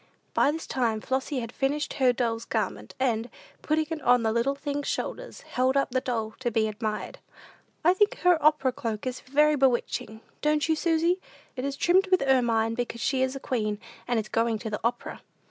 By this time Flossy had finished her doll's garment, and, putting it on the little thing's shoulders, held up the doll to be admired. "I think her opera cloak is very 'bewitching,' don't you, Susy? It is trimmed with ermine, because she is a queen, and is going to the opera."